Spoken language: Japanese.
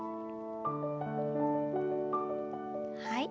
はい。